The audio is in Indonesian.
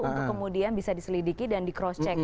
untuk kemudian bisa diselidiki dan di cross check